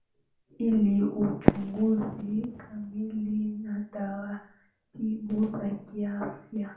ili uchunguzi kamili na taratibu zakiafya